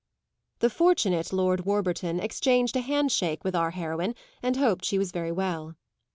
The fortunate Lord Warburton exchanged a handshake with our heroine and hoped she was very well.